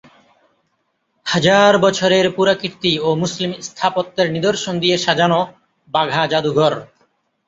হাজার বছরের পুরাকীর্তি ও মুসলিম স্থাপত্যের নিদর্শন দিয়ে সাজানো বাঘা জাদুঘর।